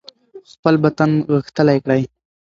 خپل بدن غښتلی کړئ.